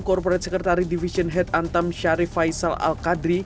korporat sekretari divisi head antam syarif faisal al qadri